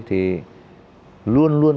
thì luôn luôn